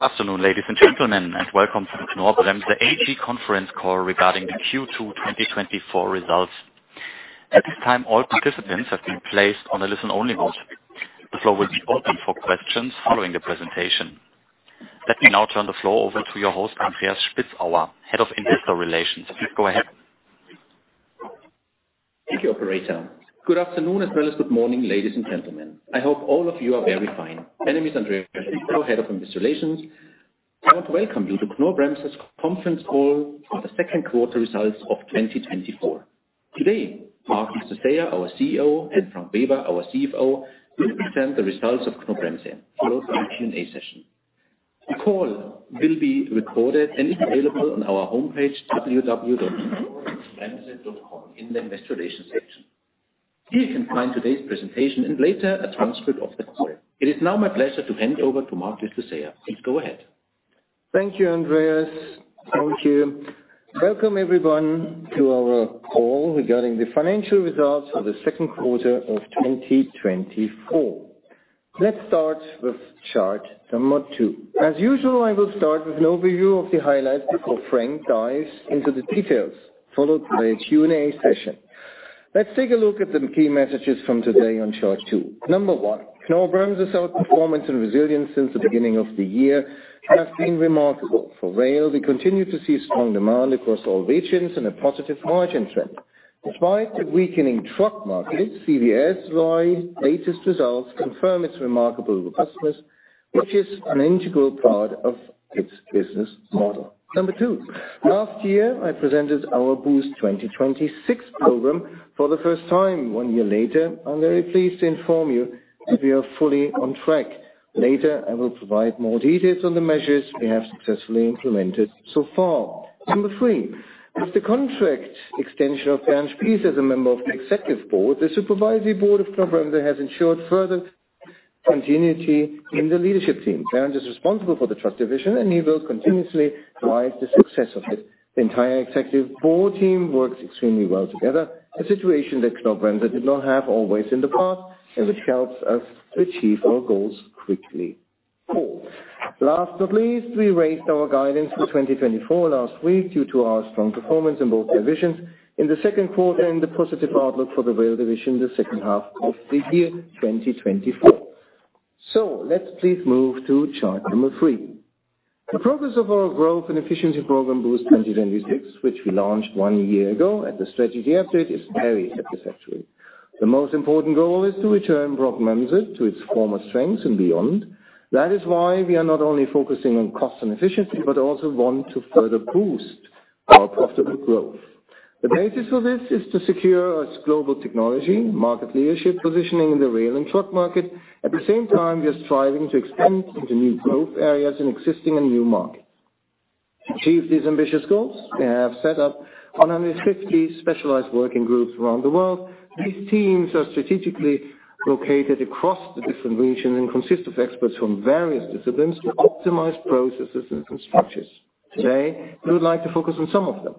Afternoon, ladies and gentlemen, and welcome to Knorr-Bremse AG Conference Call regarding the Q2 2024 results. At this time, all participants have been placed on a listen-only mode. The floor will be open for questions following the presentation. Let me now turn the floor over to your host, Andreas Spitzauer, Head of Investor Relations. Please go ahead. Thank you, operator. Good afternoon, as well as good morning, ladies and gentlemen. I hope all of you are very fine. My name is Andreas Spitzauer, Head of Investor Relations. I want to welcome you to Knorr-Bremse's conference call for the second quarter results of 2024. Today, Marc Llistosella, our CEO, and Frank Weber, our CFO, will present the results of Knorr-Bremse, followed by a Q&A session. The call will be recorded and is available on our homepage, www.knorr-bremse.com, in the Investor Relations section. Here you can find today's presentation and later, a transcript of the call. It is now my pleasure to hand over to Marc Llistosella. Please go ahead. Thank you, Andreas. Thank you. Welcome everyone, to our call regarding the financial results for the second quarter of 2024. Let's start with chart two. As usual, I will start with an overview of the highlights before Frank dives into the details, followed by a Q&A session. Let's take a look at the key messages from today on chart two. Number one, Knorr-Bremse's outperformance and resilience since the beginning of the year has been remarkable. For rail, we continue to see strong demand across all regions and a positive margin trend. Despite the weakening truck market, CVS's latest results confirm its remarkable robustness, which is an integral part of its business model. Number two, last year, I presented our Boost 2026 program for the first time. One year later, I'm very pleased to inform you that we are fully on track. Later, I will provide more details on the measures we have successfully implemented so far. Three, with the contract extension of Bernd Spies as a member of the executive board, the supervisory board of Knorr-Bremse has ensured further continuity in the leadership team. Bernd is responsible for the truck division, and he will continuously drive the success of it. The entire executive board team works extremely well together, a situation that Knorr-Bremse did not have always in the past, and which helps us achieve our goals quickly. Four, last but not least, we raised our guidance for 2024 last week due to our strong performance in both divisions in the second quarter and the positive outlook for the rail division in the second half of the year, 2024. Let's please move to chart three. The progress of our growth and efficiency program, Boost 2026, which we launched one year ago, and the strategy update is very satisfactory. The most important goal is to return Knorr-Bremse to its former strengths and beyond. That is why we are not only focusing on cost and efficiency, but also want to further boost our profitable growth. The basis for this is to secure our global technology, market leadership, positioning in the rail and truck market. At the same time, we are striving to expand into new growth areas in existing and new markets. To achieve these ambitious goals, we have set up 150 specialized working groups around the world. These teams are strategically located across the different regions and consist of experts from various disciplines to optimize processes and structures. Today, we would like to focus on some of them.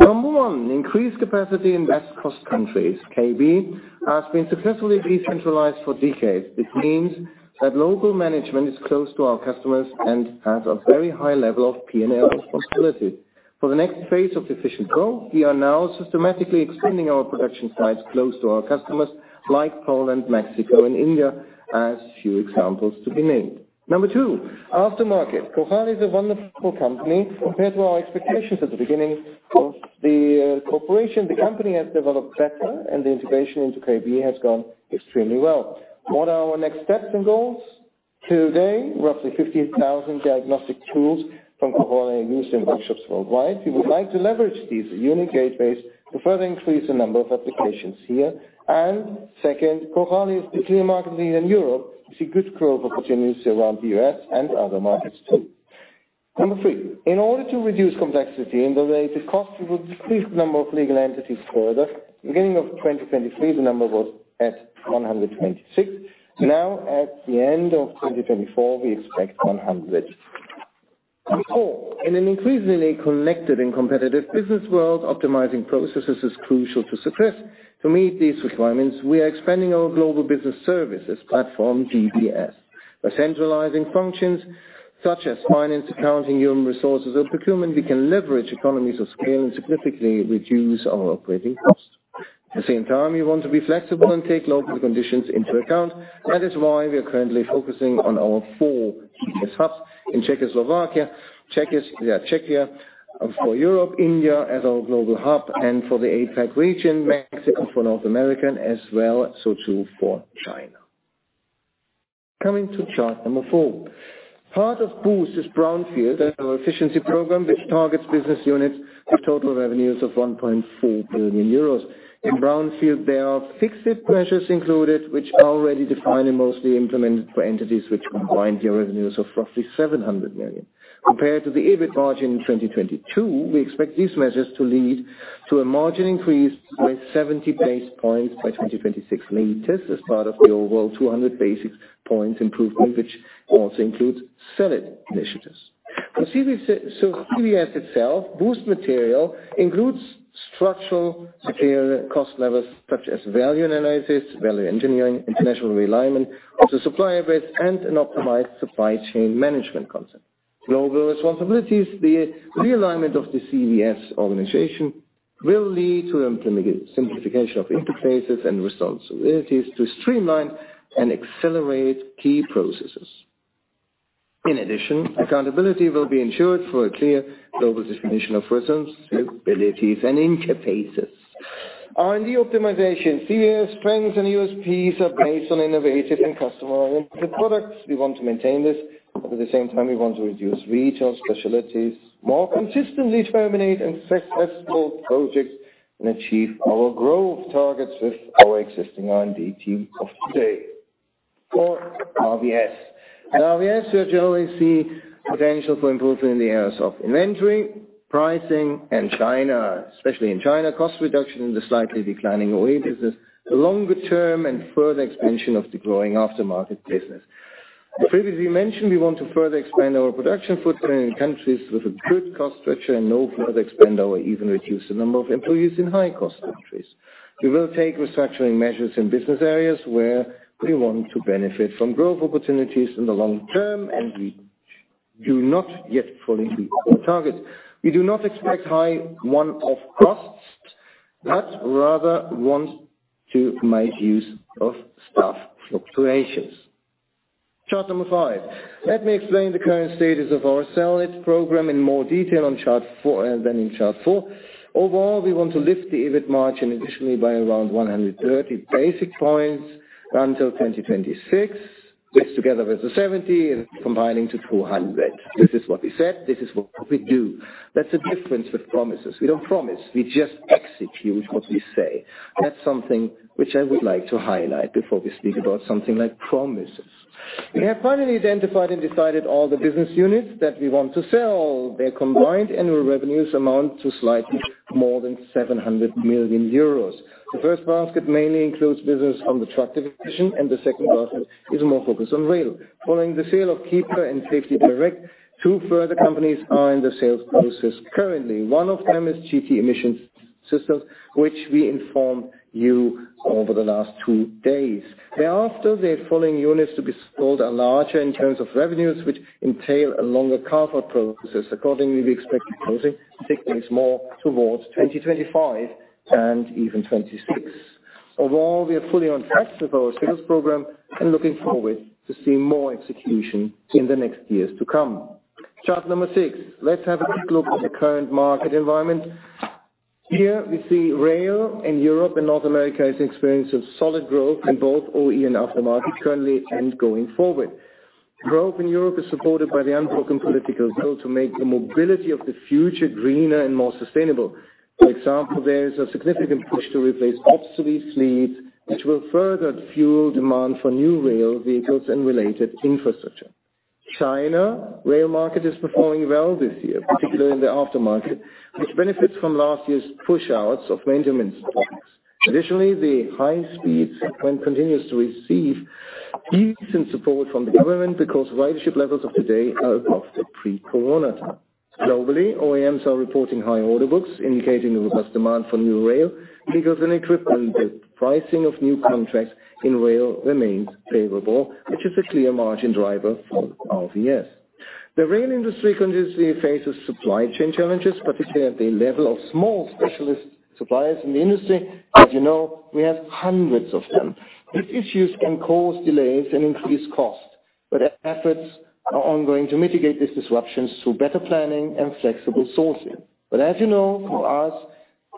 Number one, increased capacity in best cost countries. KB has been successfully decentralized for decades, which means that local management is close to our customers and has a very high level of P&L responsibility. For the next phase of efficient growth, we are now systematically extending our production sites close to our customers like Poland, Mexico, and India, as few examples to be named. Number two, aftermarket. Cojali is a wonderful company. Compared to our expectations at the beginning of the cooperation, the company has developed better and the integration into KB has gone extremely well. What are our next steps and goals? Today, roughly 15,000 diagnostic tools from Cojali are used in workshops worldwide. We would like to leverage this unique base to further increase the number of applications here. Second, Cojali is between the market in Europe, we see good growth opportunities around the U.S. and other markets, too. Number three, in order to reduce complexity and related costs, we will decrease the number of legal entities further. Beginning of 2023, the number was at 126. Now, at the end of 2024, we expect 100. Number four, in an increasingly connected and competitive business world, optimizing processes is crucial to success. To meet these requirements, we are expanding our global business services platform, GBS. By centralizing functions such as finance, accounting, human resources, and procurement, we can leverage economies of scale and significantly reduce our operating costs. At the same time, we want to be flexible and take local conditions into account. That is why we are currently focusing on our four GBS hubs in Czechoslovakia, Czechia, Czechia, for Europe, India, as our global hub, and for the APAC region, Mexico for North America, and as well, so too, for China. Coming to chart number four. Part of Boost is Brownfield, our efficiency program, which targets business units with total revenues of 1.4 billion euros. In Brownfield, there are fixed measures included, which are already defined and mostly implemented for entities which combine the revenues of roughly 700 million. Compared to the EBIT margin in 2022, we expect these measures to lead to a margin increase by 70 basis points by 2026 latest, as part of the overall 200 basis points improvement, which also includes sell it initiatives. So CVS itself, BOOST measures include structural cost savings, such as value analysis, value engineering, international realignment of the supplier base, and an optimized supply chain management concept. Global responsibilities, the realignment of the CVS organization will lead to implementation, simplification of interfaces and responsibilities to streamline and accelerate key processes. In addition, accountability will be ensured for a clear global definition of responsibilities and interfaces. R&D optimization. CVS strengths and USPs are based on innovative and customer-oriented products. We want to maintain this, but at the same time, we want to reduce R&D specialties, more consistently terminate and select export projects, and achieve our growth targets with our existing R&D team of today. For RVS. RVS, we generally see potential for improvement in the areas of inventory, pricing, and China, especially in China, cost reduction in the slightly declining OE business, the longer term and further expansion of the growing aftermarket business. As previously mentioned, we want to further expand our production footprint in countries with a good cost structure and no further expand or even reduce the number of employees in high-cost countries. We will take restructuring measures in business areas where we want to benefit from growth opportunities in the long term, and we do not yet fully meet our target. We do not expect high one-off costs, but rather want to make use of staff fluctuations. Chart number 5. Let me explain the current status of our Sell it program in more detail on chart four, than in chart four. Overall, we want to lift the EBIT margin additionally by around 130 basis points until 2026, which together with the 70, is combining to 200. This is what we said, this is what we do. That's the difference with promises. We don't promise, we just execute what we say. That's something which I would like to highlight before we speak about something like promises. We have finally identified and decided all the business units that we want to sell. Their combined annual revenues amount to slightly more than 700 million euros. The first basket mainly includes business on the truck division, and the second basket is more focused on rail. Following the sale of Kiepe and Safety Direct, two further companies are in the sales process currently. One of them is GT Emissions Systems, which we informed you over the last two days. Thereafter, the following units to be sold are larger in terms of revenues, which entail a longer carve-out processes. Accordingly, we expect the closing to take place more towards 2025 and even 2026. Overall, we are fully on track with our sales program and looking forward to see more execution in the next years to come. Chart 6. Let's have a quick look at the current market environment. Here we see rail in Europe and North America is experiencing solid growth in both OE and aftermarket, currently and going forward. Growth in Europe is supported by the unbroken political will to make the mobility of the future greener and more sustainable. For example, there is a significant push to replace obsolete fleets, which will further fuel demand for new rail vehicles and related infrastructure. China rail market is performing well this year, particularly in the aftermarket, which benefits from last year's push-outs of maintenance. Additionally, the high speed trend continues to receive decent support from the government because ridership levels of today are above the pre-corona time. Globally, OEMs are reporting high order books, indicating a robust demand for new rail, because an equipment, the pricing of new contracts in rail remains favorable, which is a clear margin driver for RVS. The rail industry continuously faces supply chain challenges, particularly at the level of small specialist suppliers in the industry. As you know, we have hundreds of them. These issues can cause delays and increase costs, but efforts are ongoing to mitigate these disruptions through better planning and flexible sourcing. But as you know, for us,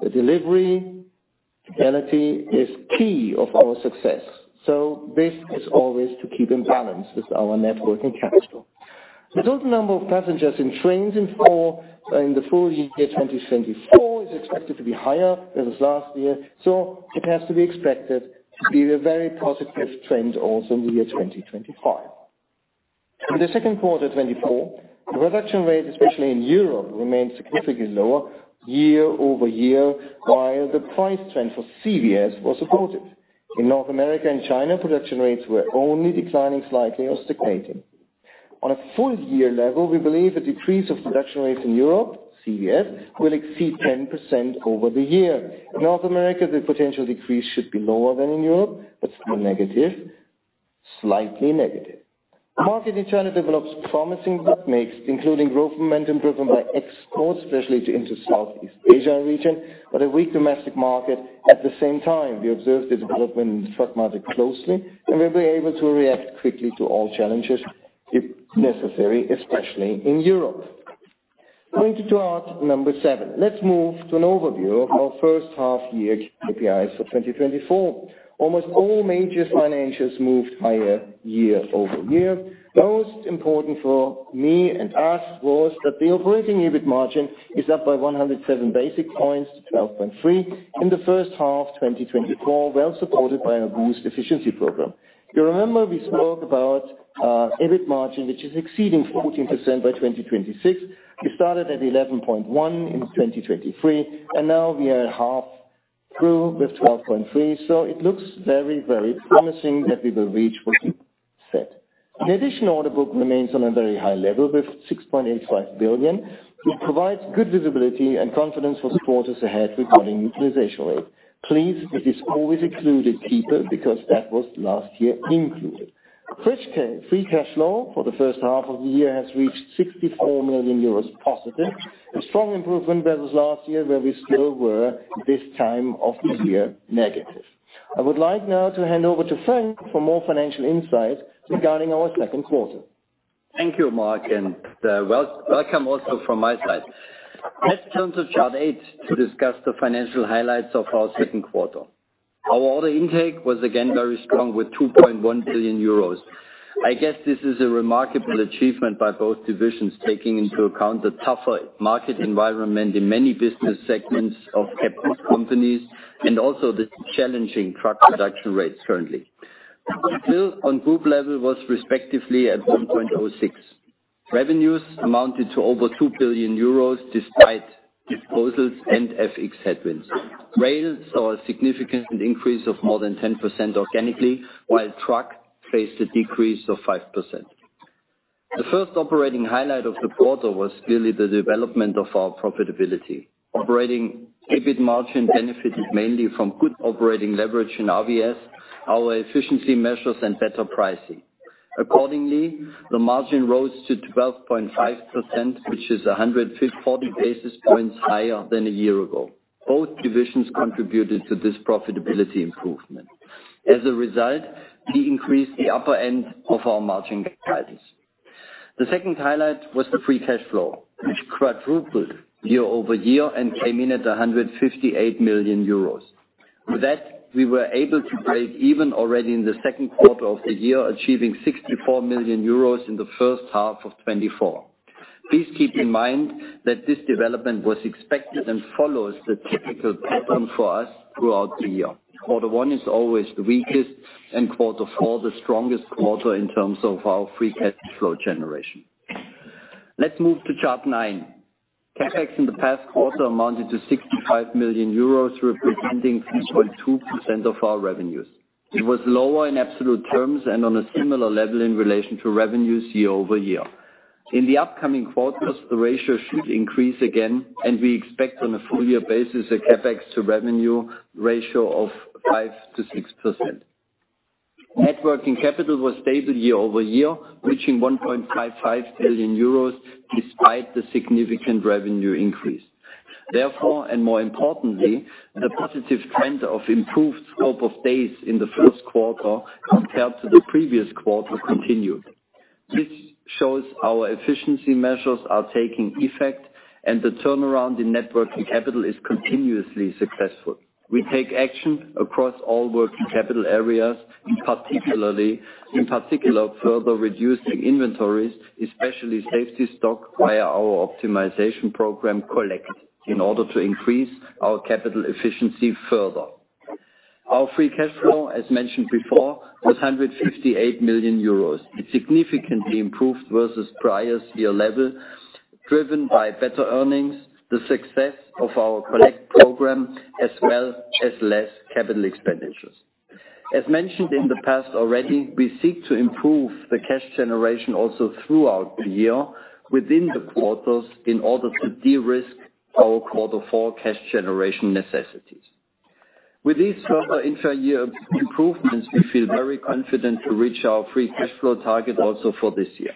the delivery ability is key of our success, so this is always to keep in balance with our net working capital. The total number of passengers in trains in Q4, in the full year 2024, is expected to be higher than this last year, so it has to be expected to be a very positive trend also in the year 2025. In the second quarter 2024, the production rate, especially in Europe, remained significantly lower year-over-year, while the price trend for CVS was supported. In North America and China, production rates were only declining slightly or stagnating. On a full year level, we believe a decrease of production rates in Europe, CVS, will exceed 10% over the year. In North America, the potential decrease should be lower than in Europe, but still negative, slightly negative. Market in China develops promising dynamics, including growth momentum driven by exports, especially to into Southeast Asia region, but a weak domestic market at the same time. We observe the development in the truck market closely, and we'll be able to react quickly to all challenges, if necessary, especially in Europe. Going to chart number seven. Let's move to an overview of our first half year KPIs for 2024. Almost all major financials moved higher year-over-year. Most important for me and us was that the operating EBIT margin is up by 107 basis points to 12.3 in the first half, 2024, well supported by our boost efficiency program. You remember we spoke about, EBIT margin, which is exceeding 14% by 2026. We started at 11.1 in 2023, and now we are at half- ... through with 12.3. So it looks very, very promising that we will reach what we set. The additional order book remains on a very high level, with 6.85 billion. It provides good visibility and confidence for supporters ahead regarding utilization rate. Please, it is always included, Kiepe, because that was last year included. Free cash flow for the first half of the year has reached positive 64 million euros, a strong improvement versus last year, where we still were, this time of the year, negative. I would like now to hand over to Frank for more financial insight regarding our second quarter. Thank you, Marc, and welcome also from my side. Let's turn to chart eight to discuss the financial highlights of our second quarter. Our order intake was again very strong, with 2.1 billion euros. I guess this is a remarkable achievement by both divisions, taking into account the tougher market environment in many business segments of companies, and also the challenging truck production rates currently. Still, on group level was respectively at 1.06. Revenues amounted to over 2 billion euros, despite disposals and FX headwinds. Rail saw a significant increase of more than 10% organically, while truck faced a decrease of 5%. The first operating highlight of the quarter was clearly the development of our profitability. Operating EBIT margin benefited mainly from good operating leverage in RVS, our efficiency measures, and better pricing. Accordingly, the margin rose to 12.5%, which is 140 basis points higher than a year ago. Both divisions contributed to this profitability improvement. As a result, we increased the upper end of our margin guidance. The second highlight was the free cash flow, which quadrupled year-over-year and came in at 158 million euros. With that, we were able to break even already in the second quarter of the year, achieving 64 million euros in the first half of 2024. Please keep in mind that this development was expected and follows the typical pattern for us throughout the year. Quarter one is always the weakest, and quarter four, the strongest quarter in terms of our free cash flow generation. Let's move to chart nine. CapEx in the past quarter amounted to 65 million euros, representing 3.2% of our revenues. It was lower in absolute terms and on a similar level in relation to revenues year-over-year. In the upcoming quarters, the ratio should increase again, and we expect on a full-year basis, a CapEx to revenue ratio of 5%-6%. Net working capital was stable year-over-year, reaching 1.55 billion euros, despite the significant revenue increase. Therefore, and more importantly, a positive trend of improved scope of days in the first quarter compared to the previous quarter continued. This shows our efficiency measures are taking effect, and the turnaround in net working capital is continuously successful. We take action across all working capital areas, in particular, further reducing inventories, especially safety stock, via our optimization program, Collect, in order to increase our capital efficiency further. Our free cash flow, as mentioned before, was 158 million euros. It significantly improved versus prior year level, driven by better earnings, the success of our Collect program, as well as less capital expenditures. As mentioned in the past already, we seek to improve the cash generation also throughout the year within the quarters, in order to de-risk our quarter four cash generation necessities. With these further intra-year improvements, we feel very confident to reach our free cash flow target also for this year.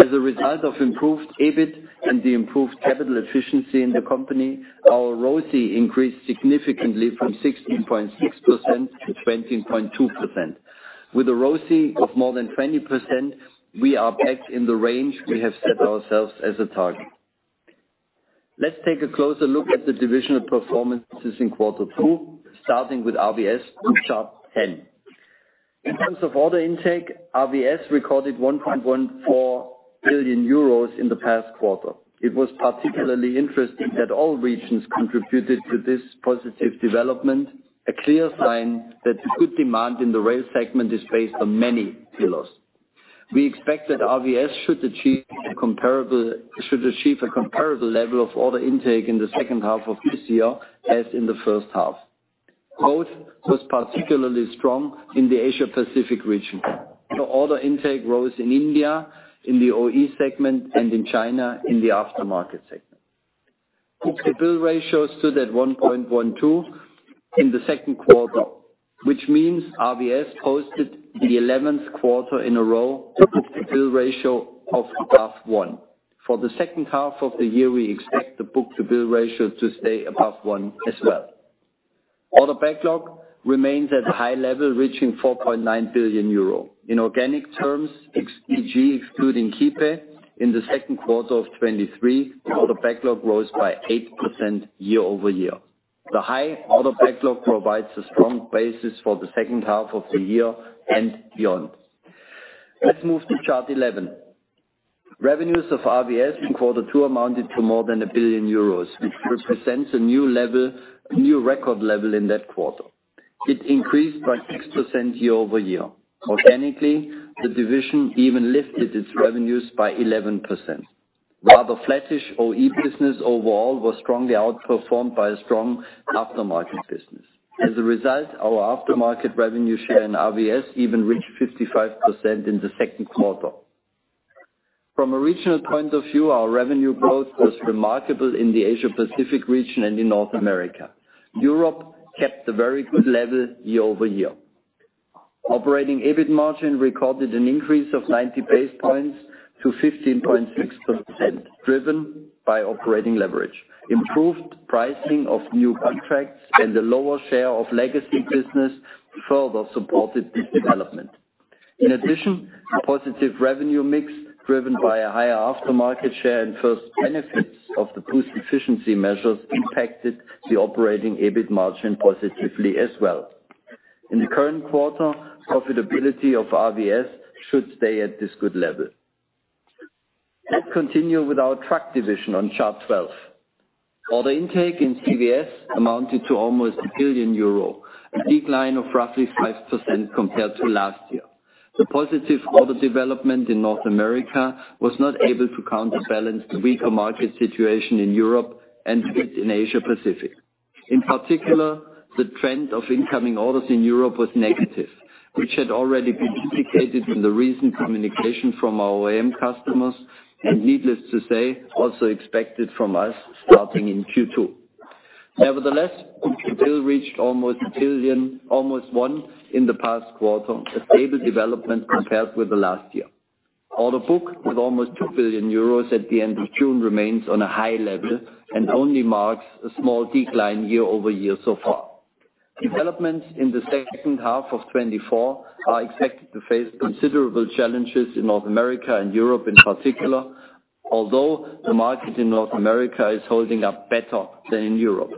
As a result of improved EBIT and the improved capital efficiency in the company, our ROCE increased significantly from 16.6% to 20.2%. With a ROCE of more than 20%, we are back in the range we have set ourselves as a target. Let's take a closer look at the divisional performances in quarter two, starting with RVS, with chart 10. In terms of order intake, RVS recorded 1.14 billion euros in the past quarter. It was particularly interesting that all regions contributed to this positive development, a clear sign that the good demand in the rail segment is based on many pillars. We expect that RVS should achieve a comparable, should achieve a comparable level of order intake in the second half of this year, as in the first half. Growth was particularly strong in the Asia Pacific region. The order intake rose in India, in the OE segment, and in China, in the aftermarket segment. The book-to-bill ratio stood at 1.12 in the second quarter, which means RVS posted the 11th quarter in a row, book-to-bill ratio of above 1. For the second half of the year, we expect the book-to-bill ratio to stay above 1 as well. Order backlog remains at a high level, reaching 4.9 billion euro. In organic terms, ex-PG, excluding Kiepe, in the second quarter of 2023, the order backlog rose by 8% year-over-year. The high order backlog provides a strong basis for the second half of the year and beyond. Let's move to chart 11. Revenues of RVS in quarter two amounted to more than 1 billion euros, which represents a new level, a new record level in that quarter. It increased by 6% year-over-year. Organically, the division even lifted its revenues by 11%. Rather flattish OE business overall was strongly outperformed by a strong aftermarket business. As a result, our aftermarket revenue share in RVS even reached 55% in the second quarter. From a regional point of view, our revenue growth was remarkable in the Asia Pacific region and in North America. Europe kept a very good level year-over-year. Operating EBIT margin recorded an increase of 90 basis points to 15.6%, driven by operating leverage. Improved pricing of new contracts and a lower share of legacy business further supported this development. In addition, a positive revenue mix, driven by a higher aftermarket share and first benefits of the boost efficiency measures, impacted the operating EBIT margin positively as well. In the current quarter, profitability of RVS should stay at this good level. Let's continue with our truck division on Chart 12. Order intake in CVS amounted to almost 1 billion euro, a decline of roughly 5% compared to last year. The positive order development in North America was not able to counterbalance the weaker market situation in Europe and in Asia Pacific. In particular, the trend of incoming orders in Europe was negative, which had already been indicated in the recent communication from our AM customers, and needless to say, also expected from us starting in Q2. Nevertheless, we still reached almost 1 billion, almost 1 in the past quarter, a stable development compared with the last year. Order book with almost 2 billion euros at the end of June, remains on a high level and only marks a small decline year-over-year so far. Developments in the second half of 2024 are expected to face considerable challenges in North America and Europe in particular, although the market in North America is holding up better than in Europe.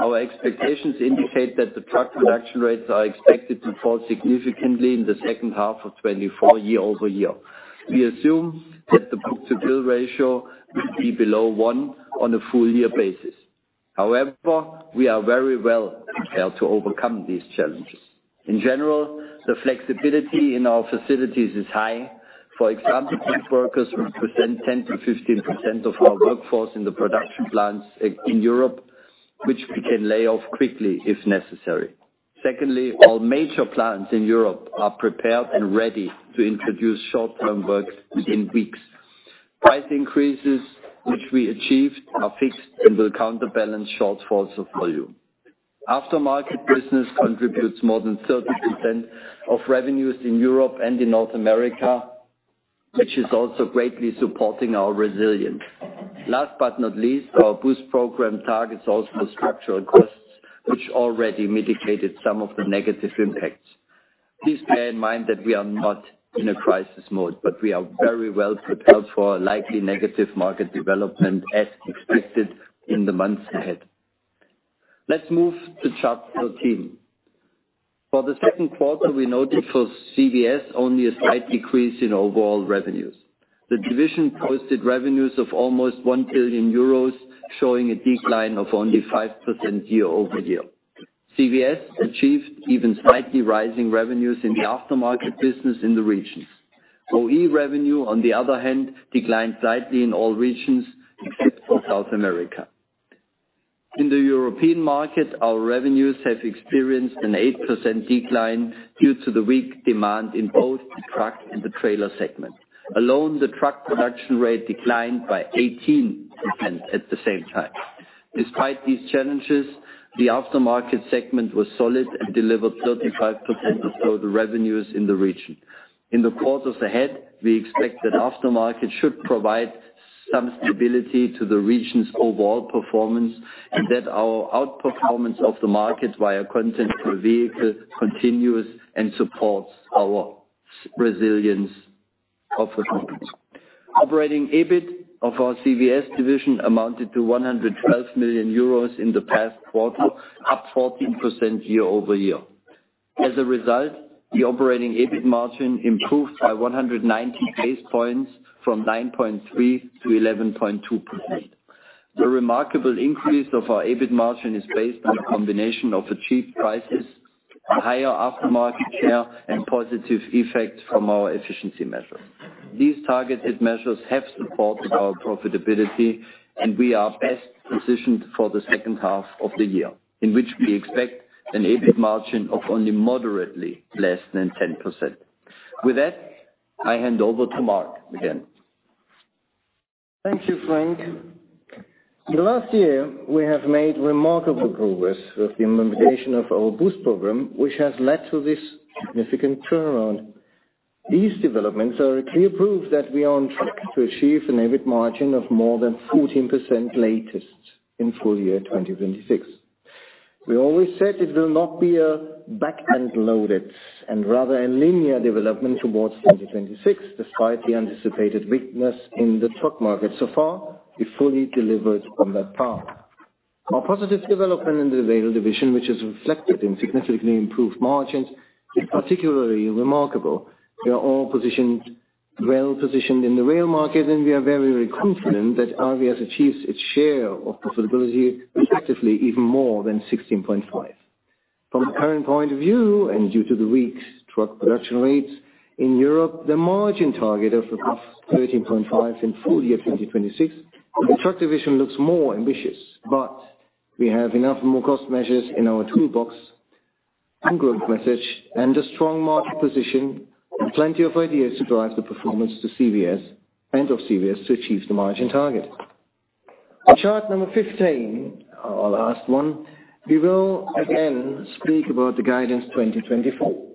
Our expectations indicate that the truck production rates are expected to fall significantly in the second half of 2024, year-over-year. We assume that the book-to-bill ratio will be below 1 on a full year basis. However, we are very well prepared to overcome these challenges. In general, the flexibility in our facilities is high. For example, workers represent 10%-15% of our workforce in the production plants in Europe, which we can lay off quickly if necessary. Secondly, all major plants in Europe are prepared and ready to introduce short-term work within weeks. Price increases, which we achieved, are fixed and will counterbalance shortfalls of volume. Aftermarket business contributes more than 30% of revenues in Europe and in North America, which is also greatly supporting our resilience. Last but not least, our Boost program targets also structural costs, which already mitigated some of the negative impacts. Please bear in mind that we are not in a crisis mode, but we are very well prepared for a likely negative market development as expected in the months ahead. Let's move to Chart 13. For the second quarter, we noted for CVS, only a slight decrease in overall revenues. The division posted revenues of almost 1 billion euros, showing a decline of only 5% year-over-year. CVS achieved even slightly rising revenues in the aftermarket business in the regions. OE revenue, on the other hand, declined slightly in all regions, except for South America. In the European market, our revenues have experienced an 8% decline due to the weak demand in both the truck and the trailer segment. Alone, the truck production rate declined by 18% at the same time. Despite these challenges, the aftermarket segment was solid and delivered 35% of total revenues in the region. In the quarters ahead, we expect that aftermarket should provide some stability to the region's overall performance, and that our outperformance of the market via content per vehicle continues and supports our resilience of the company. Operating EBIT of our CVS division amounted to 112 million euros in the past quarter, up 14% year-over-year. As a result, the operating EBIT margin improved by 190 basis points from 9.3%-11.2%. The remarkable increase of our EBIT margin is based on a combination of achieved prices, a higher aftermarket share, and positive effects from our efficiency measures. These targeted measures have supported our profitability, and we are best positioned for the second half of the year, in which we expect an EBIT margin of only moderately less than 10%. With that, I hand over to Marc again. Thank you, Frank. In the last year, we have made remarkable progress with the implementation of our Boost program, which has led to this significant turnaround. These developments are a clear proof that we are on track to achieve an EBIT margin of more than 14% latest in full year 2026. We always said it will not be a back-end loaded and rather a linear development towards 2026, despite the anticipated weakness in the truck market. So far, we fully delivered on that path. Our positive development in the vehicle division, which is reflected in significantly improved margins, is particularly remarkable. We are well positioned in the rail market, and we are very, very confident that RVS achieves its share of profitability, effectively, even more than 16.5. From the current point of view, and due to the weak truck production rates in Europe, the margin target of above 13.5% in full year 2026 for the truck division looks more ambitious. But we have enough more cost measures in our toolbox and growth measures, and a strong market position, and plenty of ideas to drive the performance to CVS and of CVS to achieve the margin target. On chart number 15, our last one, we will again speak about the guidance 2024.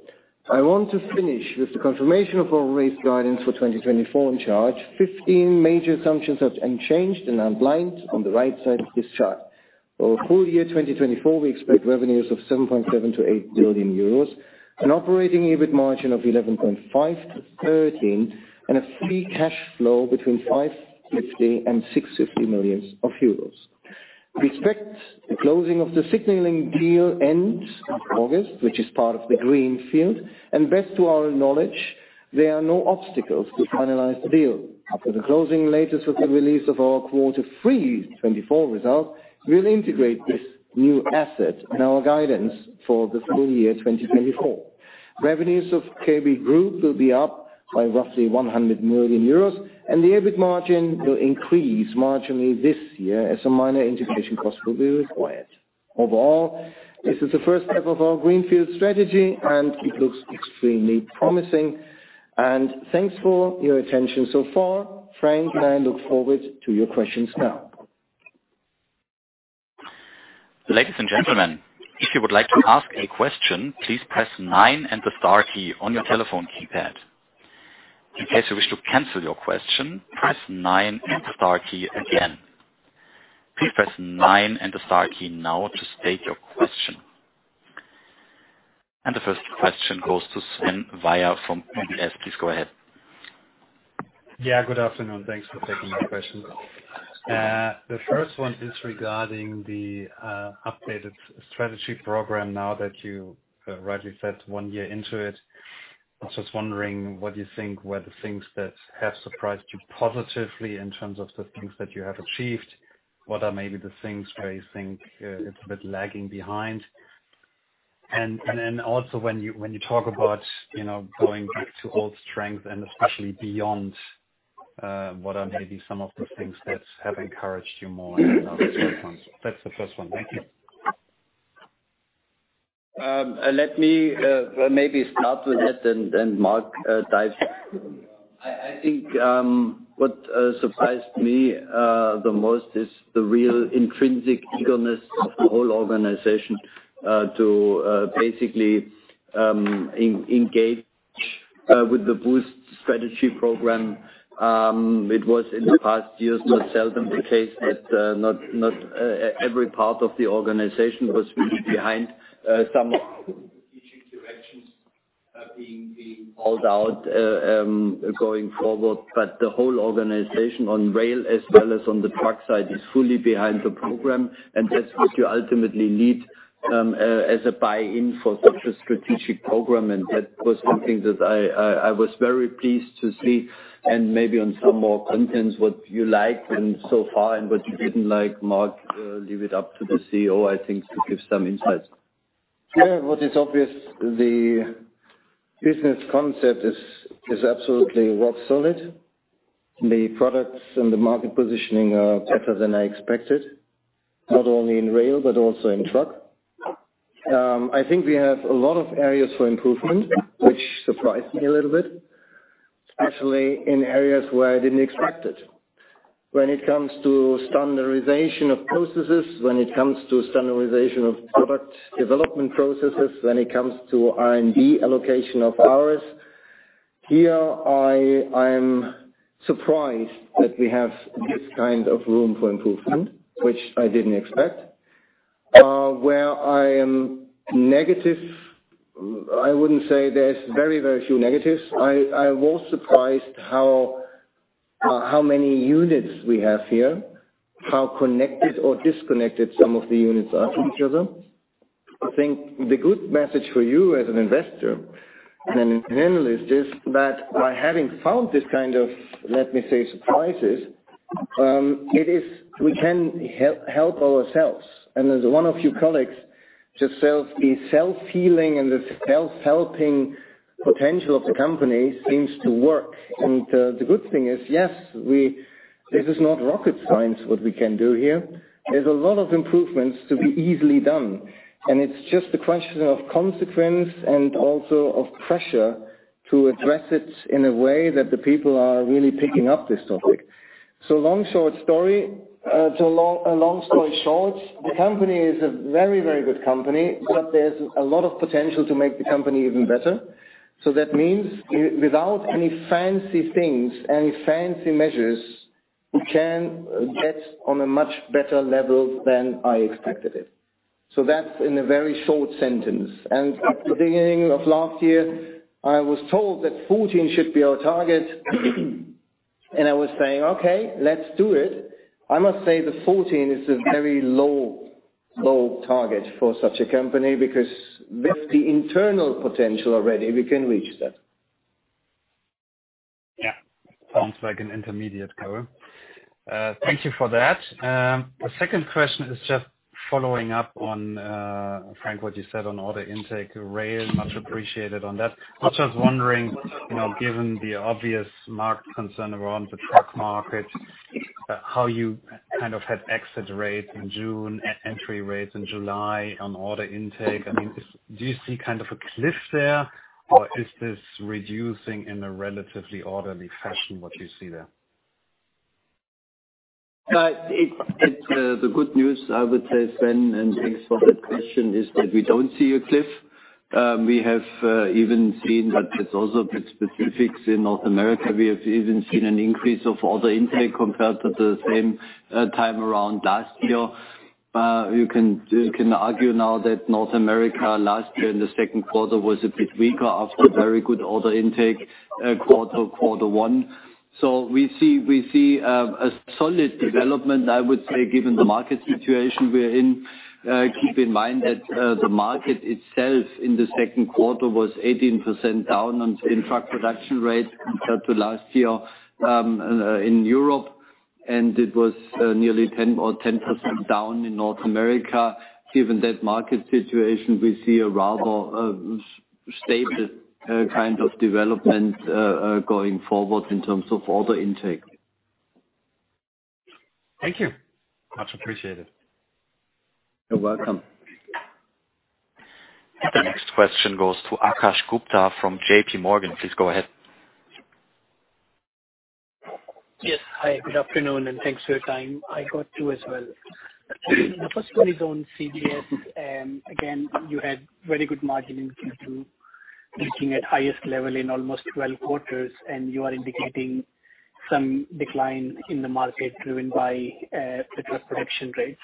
I want to finish with the confirmation of our raised guidance for 2024 in chart 15. Major assumptions are unchanged and are listed on the right side of this chart. For full year 2024, we expect revenues of 7.7 billion-8 billion euros, an operating EBIT margin of 11.5%-13%, and a free cash flow between 550 million and 650 million euros. We expect the closing of the signaling deal end August, which is part of the Greenfield, and to the best of our knowledge, there are no obstacles to finalize the deal. After the closing, latest with the release of our quarter three 2024 results, we'll integrate this new asset in our guidance for the full year 2024. Revenues of KB Group will be up by roughly 100 million euros, and the EBIT margin will increase marginally this year, as a minor integration cost will be required. Overall, this is the first step of our greenfield strategy, and it looks extremely promising. And thanks for your attention so far. Frank and I look forward to your questions now. Ladies and gentlemen, if you would like to ask a question, please press nine and the star key on your telephone keypad. In case you wish to cancel your question, press nine and star key again. Please press nine and the star key now to state your question. The first question goes to Sven Weier from UBS. Please go ahead. Yeah, good afternoon. Thanks for taking my question. The first one is regarding the updated strategy program now that you rightly said, one year into it. I was just wondering, what do you think were the things that have surprised you positively in terms of the things that you have achieved? What are maybe the things where you think it's a bit lagging behind? And then also when you talk about, you know, going back to old strength and especially beyond, what are maybe some of the things that have encouraged you more? That's the first one. Thank you. Let me maybe start with that, and Marc, dive in. I think what surprised me the most is the real intrinsic eagerness of the whole organization to basically engage with the Boost strategy program. It was in the past years not seldom the case that every part of the organization was really behind some of the strategic directions being rolled out going forward. But the whole organization on rail, as well as on the truck side, is fully behind the program, and that's what you ultimately need as a buy-in for such a strategic program. And that was something that I was very pleased to see, and maybe on some more contents, what you like, and so far, and what you didn't like. Mark, leave it up to the CEO, I think, to give some insights. Yeah, what is obvious, the business concept is absolutely rock solid. The products and the market positioning are better than I expected, not only in rail, but also in truck. I think we have a lot of areas for improvement, which surprised me a little bit, especially in areas where I didn't expect it. When it comes to standardization of processes, when it comes to standardization of product development processes, when it comes to R&D allocation of hours, here I am surprised that we have this kind of room for improvement, which I didn't expect. Where I am negative, I wouldn't say there's very, very few negatives. I was surprised how, how many units we have here, how connected or disconnected some of the units are from each other. I think the good message for you as an investor and an analyst is that by having found this kind of, let me say, surprises, it is we can help ourselves. And as one of your colleagues just said, the self-healing and the self-helping potential of the company seems to work. And the good thing is, yes, this is not rocket science, what we can do here. There's a lot of improvements to be easily done, and it's just a question of consequence and also of pressure to address it in a way that the people are really picking up this topic. So, long story short, the company is a very, very good company, but there's a lot of potential to make the company even better. So that means, without any fancy things, any fancy measures, we can get on a much better level than I expected it. So that's in a very short sentence. And at the beginning of last year, I was told that 14 should be our target.… I was saying, "Okay, let's do it." I must say the 14 is a very low, low target for such a company, because with the internal potential already, we can reach that. Yeah. Sounds like an intermediate goal. Thank you for that. The second question is just following up on, Frank, what you said on order intake rail, much appreciated on that. I was just wondering, you know, given the obvious market concern around the truck market, how you kind of had exit rates in June, entry rates in July on order intake, I mean, is- do you see kind of a cliff there, or is this reducing in a relatively orderly fashion, what you see there? The good news, I would say, Sven, and thanks for that question, is that we don't see a cliff. We have even seen that there's also been specifics in North America. We have even seen an increase of order intake compared to the same time around last year. You can, you can argue now that North America last year, in the second quarter, was a bit weaker after a very good order intake quarter, quarter one. So we see, we see a solid development, I would say, given the market situation we're in. Keep in mind that the market itself in the second quarter was 18% down on in-truck production rates compared to last year in Europe, and it was nearly 10 or 10% down in North America. Given that market situation, we see a rather stable kind of development going forward in terms of order intake. Thank you. Much appreciated. You're welcome. The next question goes to Akash Gupta from JPMorgan. Please go ahead. Yes. Hi, good afternoon, and thanks for your time. I got two as well. The first one is on CVS, and again, you had very good margin in Q2, looking at highest level in almost 12 quarters, and you are indicating some decline in the market, driven by the truck production rates.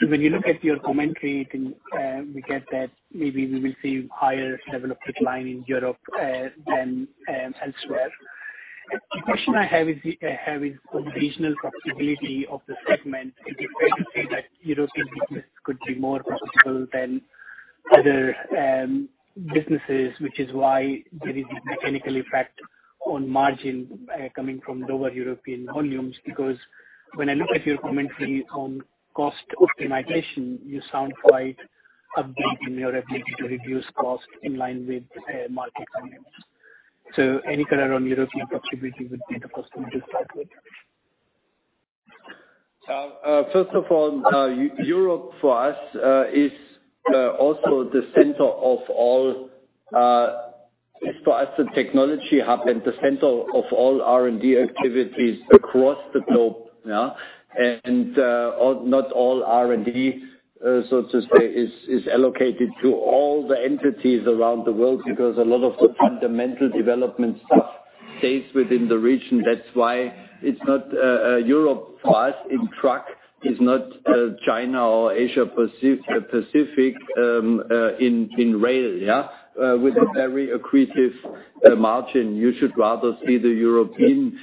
So when you look at your commentary, can we get that maybe we will see higher level of decline in Europe than elsewhere. The question I have is regional profitability of the segment. It is fair to say that European business could be more profitable than other businesses, which is why there is this mechanical effect on margin coming from lower European volumes. Because when I look at your commentary on cost optimization, you sound quite upbeat in your ability to reduce cost in line with market volumes. So any color on European profitability would be the first one to start with. First of all, Europe for us is also the center of all for us the technology hub and the center of all R&D activities across the globe, yeah? And not all R&D so to say is allocated to all the entities around the world, because a lot of the fundamental development stuff stays within the region. That's why it's not Europe for us in truck is not China or Asia Pacific in rail, yeah? With a very accretive margin. You should rather see the European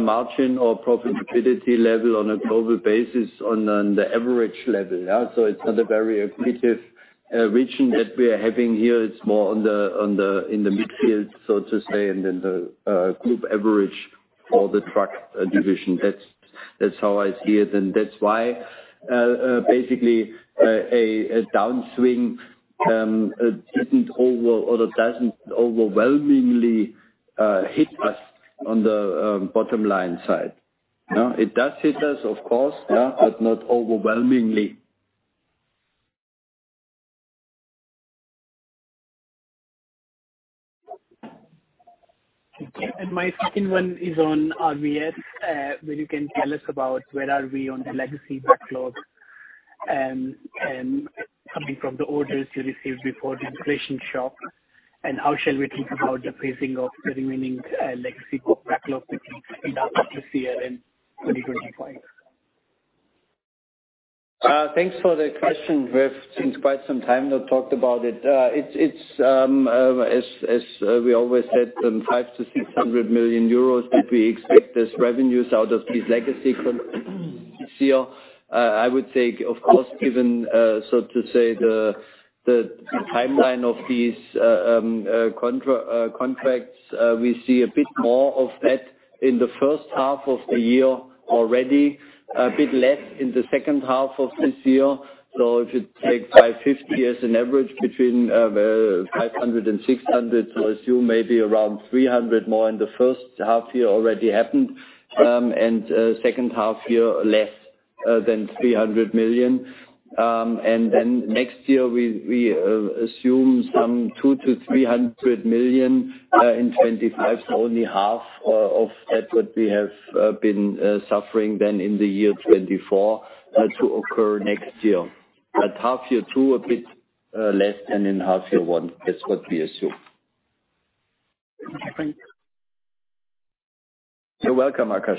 margin or profitability level on a global basis on the average level, yeah? So it's not a very accretive region that we are having here. It's more in the midfield, so to say, and then the group average for the truck division. That's how I see it, and that's why basically a downswing doesn't overwhelmingly hit us on the bottom line side. Yeah, it does hit us, of course, yeah, but not overwhelmingly. Thank you. And my second one is on RVS, where you can tell us about where are we on the legacy backlog, and coming from the orders you received before the inflation shock, and how shall we think about the pacing of the remaining legacy backlog between this year and 2025? Thanks for the question. We've, in quite some time, not talked about it. It's as we always said, 500-600 million euros, that we expect as revenues out of these legacy from this year. I would say, of course, even, so to say, the timeline of these contracts, we see a bit more of that in the first half of the year already, a bit less in the second half of this year. So if you take 550 as an average between 500 and 600, so assume maybe around 300 million more in the first half year already happened. And second half year, less than 300 million. And then next year, we assume some 200-300 million in 2025, so only half of that what we have been suffering then in the year 2024 to occur next year. At half year two, a bit less than in half year one. That's what we assume. Thank you. You're welcome, Akash. ...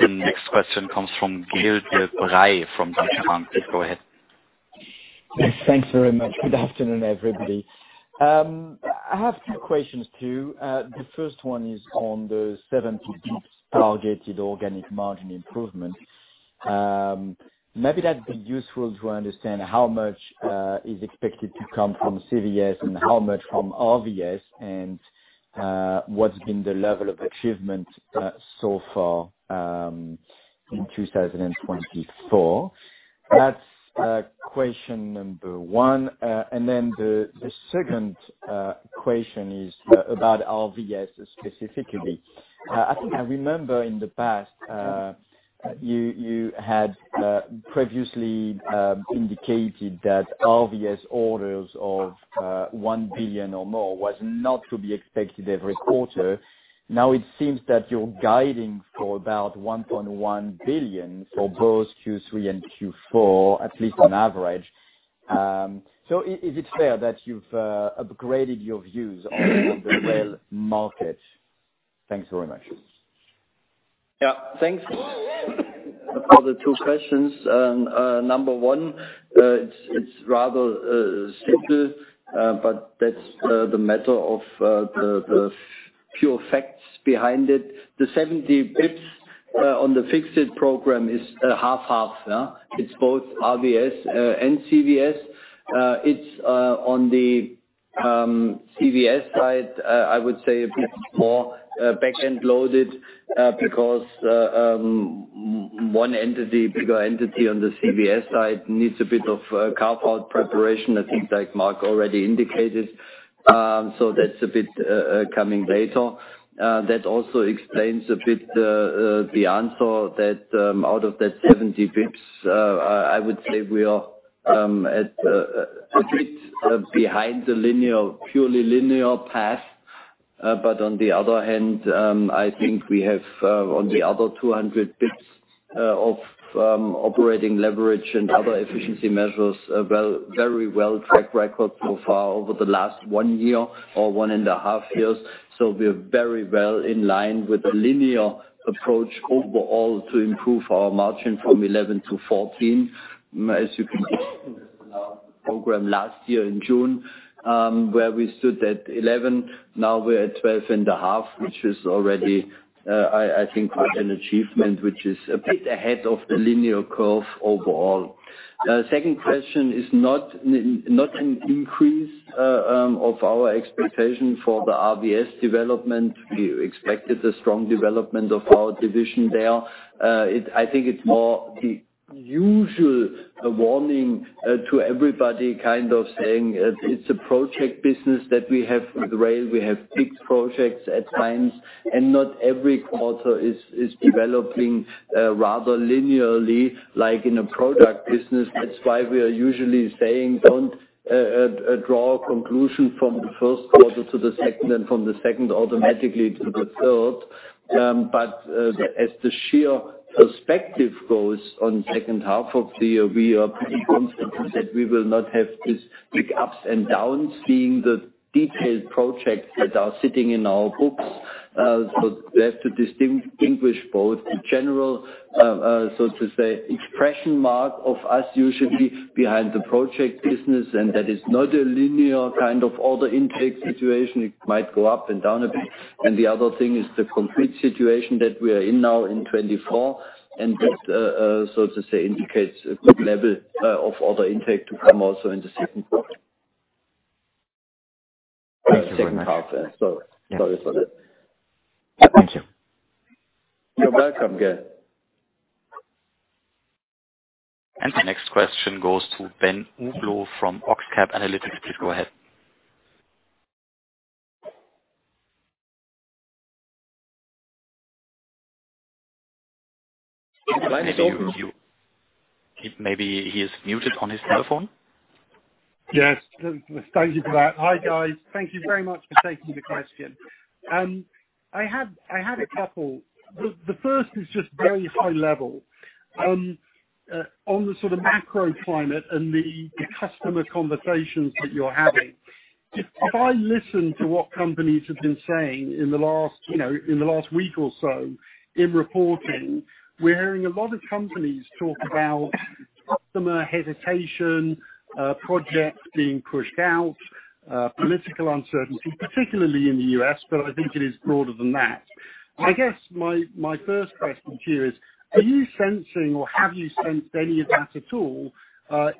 The next question comes from Gael de-Bray from Deutsche Bank. Please go ahead. Thanks very much. Good afternoon, everybody. I have two questions, too. The first one is on the 70 basis points targeted organic margin improvement. Maybe that'd be useful to understand how much is expected to come from CVS and how much from RVS, and what's been the level of achievement so far in 2024? That's question number one. And then the second question is about RVS specifically. I think I remember in the past you had previously indicated that RVS orders of 1 billion or more was not to be expected every quarter. Now, it seems that you're guiding for about 1.1 billion for both Q3 and Q4, at least on average. So is it fair that you've upgraded your views on the rail market? Thanks very much. Yeah. Thanks for the two questions. Number one, it's rather simple, but that's the matter of the pure facts behind it. The 70 BPS on the fixed program is half, half, yeah. It's both RVS and CVS. It's on the CVS side, I would say a bit more back-end loaded, because one entity, bigger entity on the CVS side needs a bit of a carve-out preparation, I think, like Marc already indicated. So that's a bit coming later. That also explains a bit the answer that out of that 70 BPS, I would say we are at a bit behind the linear, purely linear path. But on the other hand, I think we have on the other 200 BPS of operating leverage and other efficiency measures, well, very well track record so far over the last one year or one and a half years. So we're very well in line with the linear approach overall to improve our margin from 11-14. As you can see, program last year in June, where we stood at 11, now we're at 12.5, which is already, I think quite an achievement, which is a bit ahead of the linear curve overall. Second question is not an increase of our expectation for the RVS development. We expected a strong development of our division there. I think it's more the usual warning to everybody, kind of saying it's a project business that we have with Rail. We have big projects at times, and not every quarter is developing rather linearly, like in a product business. That's why we are usually saying, "Don't draw a conclusion from the first quarter to the second, and from the second, automatically to the third." But as the sheer perspective goes on the second half of the year, we are pretty confident that we will not have this big ups and downs, seeing the detailed projects that are sitting in our books. So we have to distinguish both the general, so to say, expression mark of us usually behind the project business, and that is not a linear kind of order intake situation. It might go up and down a bit. And the other thing is the complete situation that we are in now in 2024, and that, so to say, indicates a good level of order intake to come also in the second quarter. Thank you very much. Sorry about that. Thank you. You're welcome, Gael. The next question goes to Ben Uglow from Oxcap Analytics. Please go ahead. Maybe you, maybe he is muted on his telephone? Yes, thank you for that. Hi, guys. Thank you very much for taking the question. I had a couple. The first is just very high level. On the sort of macro climate and the customer conversations that you're having, if I listen to what companies have been saying in the last, you know, in the last week or so in reporting, we're hearing a lot of companies talk about customer hesitation, projects being pushed out, political uncertainty, particularly in the U.S., but I think it is broader than that. I guess my first question to you is: Are you sensing, or have you sensed any of that at all,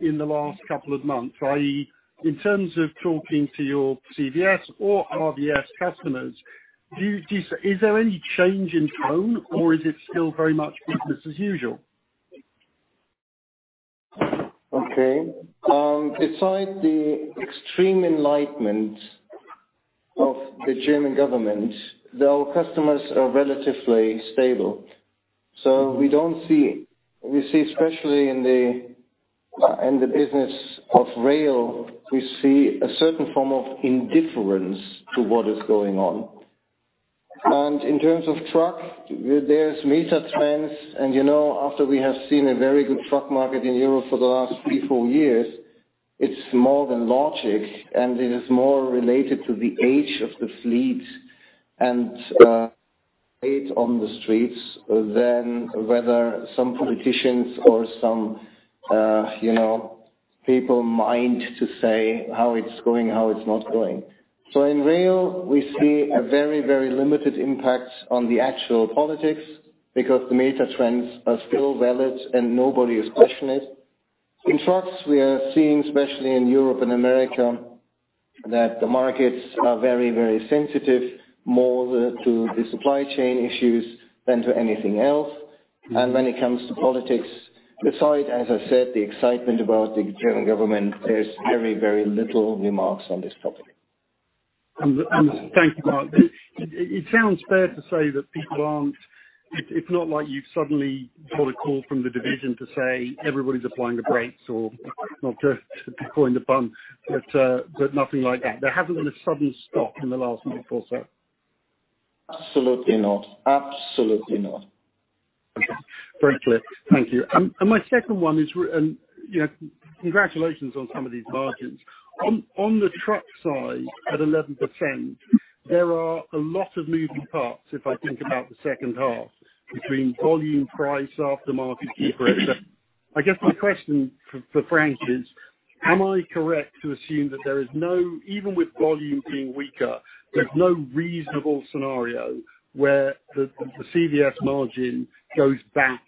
in the last couple of months? i.e., in terms of talking to your CVS or RVS customers, do you—Is there any change in tone, or is it still very much business as usual? Okay. Besides the extreme enlightenment of the German government, our customers are relatively stable. So we don't see-- We see, especially in the, in the business of rail, we see a certain form of indifference to what is going on. And in terms of truck, there, there's mixed trends, and, you know, after we have seen a very good truck market in Europe for the last 3-4 years-... It's more than logic, and it is more related to the age of the fleet and, age on the streets than whether some politicians or some, you know, people mind to say how it's going, how it's not going. So in rail, we see a very, very limited impact on the actual politics, because the major trends are still valid and nobody is questioning it. In trucks, we are seeing, especially in Europe and America, that the markets are very, very sensitive, more to the supply chain issues than to anything else. And when it comes to politics, aside, as I said, the excitement about the German government, there's very, very little remarks on this topic. Thank you, Marc. It sounds fair to say that people aren't, it's not like you've suddenly got a call from the division to say, everybody's applying the brakes or not to be pulling the bun, but, but nothing like that. There hasn't been a sudden stop in the last month or so? Absolutely not. Absolutely not. Okay. Very clear. Thank you. And my second one is, you know, congratulations on some of these margins. On the truck side, at 11%, there are a lot of moving parts, if I think about the second half, between volume, price, aftermarket, et cetera. I guess my question for Frank is: Am I correct to assume that there is no, even with volume being weaker, there's no reasonable scenario where the CVS margin goes back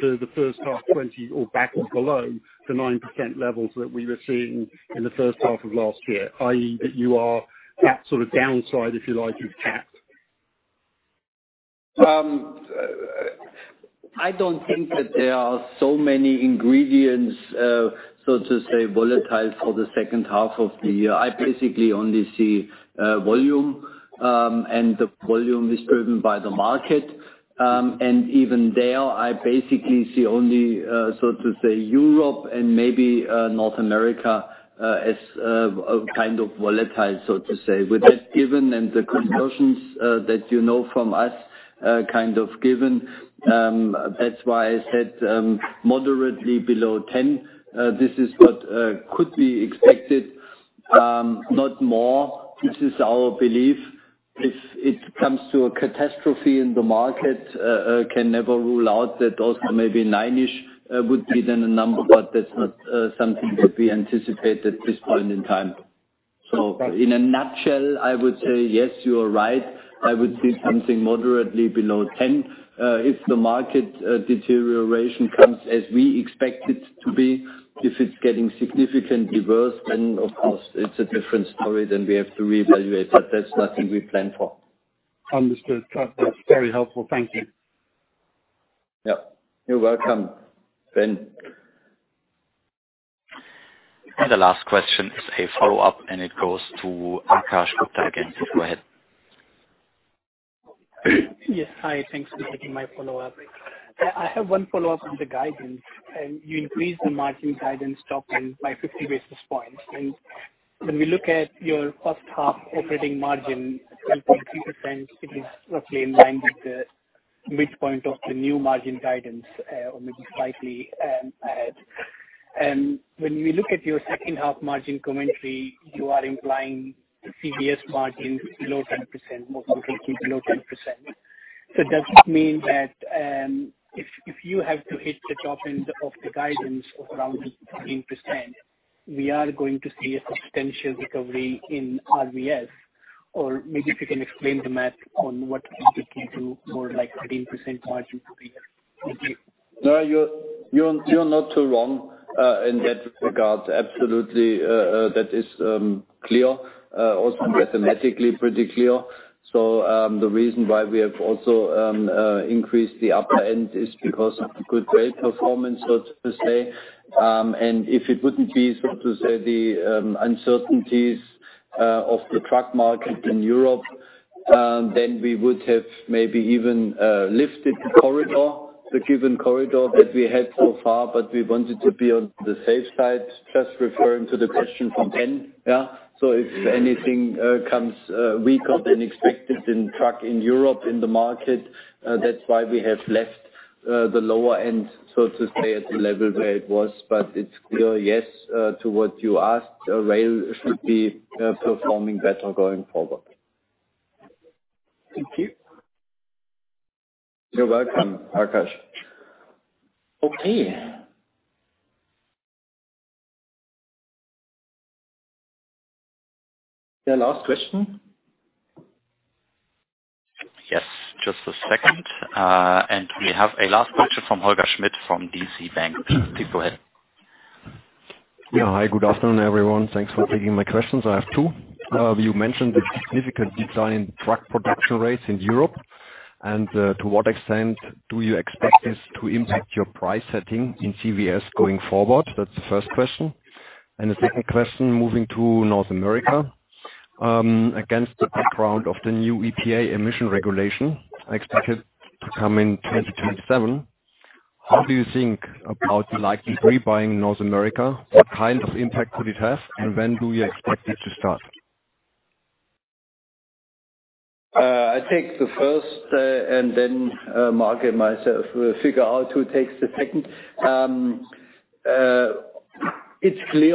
to the first half 2020 or back below the 9% levels that we were seeing in the first half of last year, i.e., that you are that sort of downside, if you like, you've capped? I don't think that there are so many ingredients, so to say, volatile for the second half of the year. I basically only see volume, and the volume is driven by the market. And even there, I basically see only, so to say, Europe and maybe North America as a kind of volatile, so to say. With that given and the conversions that you know from us, kind of given, that's why I said, moderately below 10, this is what could be expected, not more. This is our belief. If it comes to a catastrophe in the market, can never rule out that also maybe 9-ish would be then a number, but that's not something that we anticipate at this point in time. Okay. So in a nutshell, I would say, yes, you are right. I would see something moderately below 10. If the market deterioration comes as we expect it to be, if it's getting significantly worse, then, of course, it's a different story, then we have to reevaluate, but that's nothing we plan for. Understood. That's very helpful. Thank you. Yeah, you're welcome, Ben. The last question is a follow-up, and it goes to Akash Gupta again. Please go ahead. Yes. Hi, thanks for taking my follow-up. I have one follow-up on the guidance, and you increased the margin guidance top end by 50 basis points. And when we look at your first half operating margin, 10.3%, it is roughly in line with the midpoint of the new margin guidance, or maybe slightly ahead. And when we look at your second half margin commentary, you are implying the CVS margin below 10%, more specifically below 10%. So does it mean that, if, if you have to hit the top end of the guidance of around 13%, we are going to see a substantial recovery in RVS? Or maybe if you can explain the math on what can take you to more like 13% margin for the year. Thank you. No, you're not too wrong, uh, in that regard. Absolutely, that is clear, also mathematically pretty clear. So, the reason why we have also increased the upper end is because of the good trade performance, so to say. And if it wouldn't be, so to say, the uncertainties of the truck market in Europe, then we would have maybe even lifted the corridor, the given corridor that we had so far, but we wanted to be on the safe side, just referring to the question from Ben, yeah. So if anything comes weaker than expected in truck in Europe, in the market, that's why we have left the lower end, so to say, at the level where it was. But it's clear, yes, to what you asked, rail should be performing better going forward. Thank you. You're welcome, Akash. Okay. The last question? Yes, just a second. We have a last question from Holger Schmidt, from DZ Bank. Please go ahead. Yeah. Hi, good afternoon, everyone. Thanks for taking my questions. I have two. You mentioned the significant decline in truck production rates in Europe, and to what extent do you expect this to impact your price setting in CVS going forward? That's the first question. And the second question, moving to North America. Against the background of the new EPA emission regulation, expected to come in 2027, how do you think about the likely rebuying North America? What kind of impact could it have, and when do you expect it to start?... I take the first, and then, Marc and myself will figure out who takes the second. It's clear,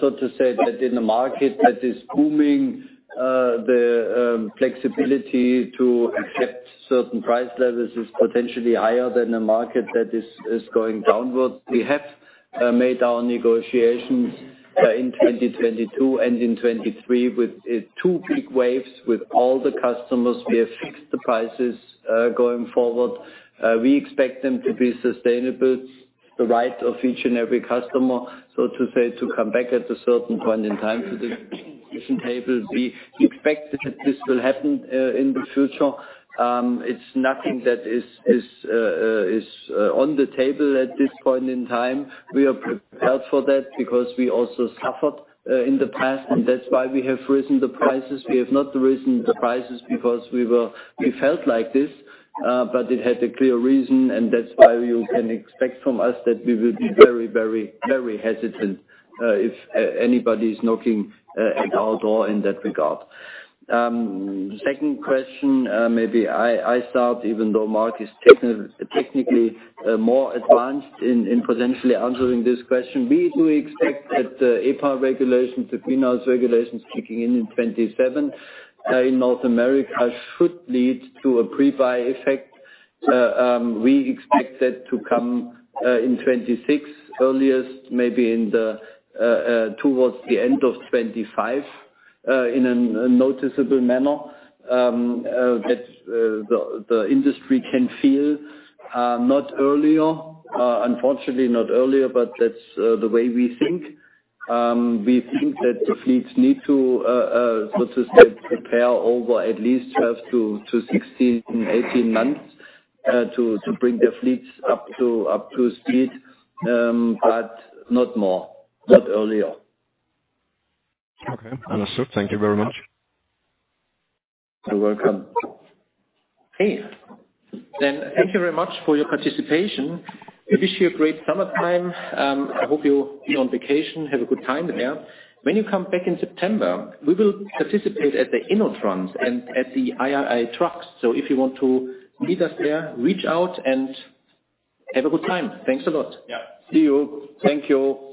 so to say that in a market that is booming, the flexibility to accept certain price levels is potentially higher than a market that is going downward. We have made our negotiations in 2022 and in 2023, with two peak waves with all the customers. We have fixed the prices going forward. We expect them to be sustainable, the right of each and every customer, so to say, to come back at a certain point in time to the negotiation table. We expect that this will happen in the future. It's nothing that is on the table at this point in time. We are prepared for that because we also suffered in the past, and that's why we have risen the prices. We have not risen the prices because we were—we felt like this, but it had a clear reason, and that's why you can expect from us that we will be very, very, very hesitant if anybody is knocking at our door in that regard. Second question, maybe I start, even though Marc is technically more advanced in potentially answering this question. We do expect that EPA regulations, the greenhouse regulations, kicking in in 2027 in North America, should lead to a pre-buy effect. We expect that to come in 2026, earliest, maybe towards the end of 2025, in a noticeable manner, that the industry can feel, not earlier, unfortunately, not earlier, but that's the way we think. We think that the fleets need to, so to say, prepare over at least 12 to 16, 18 months, to bring their fleets up to speed, but not more, not earlier. Okay. Understood. Thank you very much. You're welcome. Okay. Then thank you very much for your participation. We wish you a great summertime. I hope you'll be on vacation. Have a good time there. When you come back in September, we will participate at the InnoTrans and at the IAA Trucks. So if you want to meet us there, reach out and have a good time. Thanks a lot. Yeah. See you. Thank you.